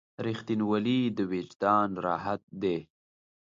• رښتینولی د وجدان راحت دی.